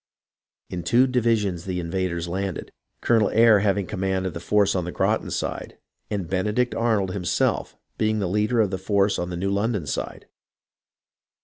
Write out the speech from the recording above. In two divisions the invaders landed. Colonel Eyre having com mand of the force on the Groton side, and Benedict Arnold himself being the leader of the force on the New London side.